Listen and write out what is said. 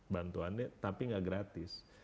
bantuannya tapi gak gratis